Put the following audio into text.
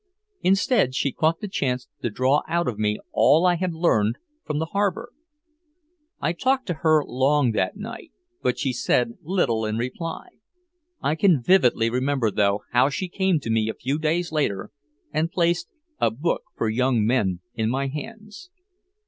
Instead she caught the chance to draw out of me all I had learned from the harbor. I talked to her long that night, but she said little in reply. I can vividly remember, though, how she came to me a few days later and placed a "book for young men" in my hands.